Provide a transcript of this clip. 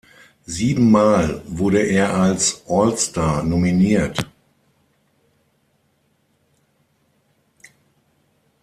Siebenmal wurde er als All Star nominiert.